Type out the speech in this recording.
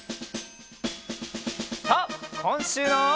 さあこんしゅうの。